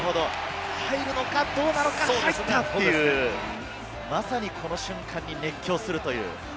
入るのかどうなのか、入った！という、まさにこのシーンに熱狂するという。